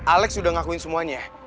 alex udah ngakuin semuanya